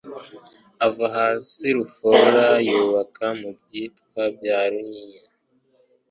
Ava hasi Rufora yubaka mu Bitwa bya Runyinya,